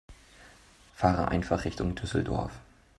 Fahre einfach Richtung Düsseldorf